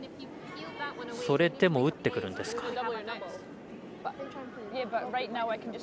それでも打ってくるんですか。